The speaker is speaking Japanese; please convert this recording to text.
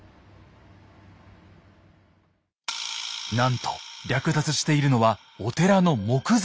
なんと略奪しているのはお寺の木材。